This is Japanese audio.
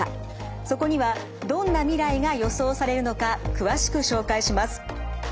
そこにはどんな未来が予想されるのか詳しく紹介します。